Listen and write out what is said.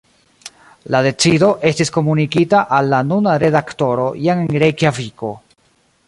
La decido estis komunikita al la nuna redaktoro jam en Rejkjaviko.